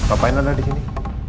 apa yang ada di sini